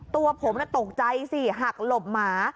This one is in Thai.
ตัวผมตกใจสิหักหลบหมา